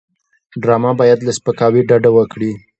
ډرامه باید له سپکاوي ډډه وکړي